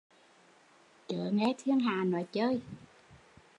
Chớ nghe thiên hạ nói chơi